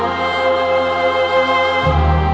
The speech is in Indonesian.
saya akan menentukan uu ahtaaaaaaam